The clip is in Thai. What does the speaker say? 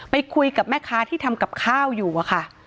ไปคุยกับแม่ค้าที่ทำกับข้าวอยู่อะค่ะ